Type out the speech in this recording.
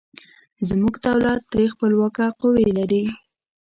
زموږ دولت درې خپلواکه قوې لري.